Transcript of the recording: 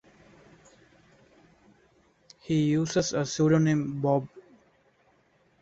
He uses a pseudonym, Bob.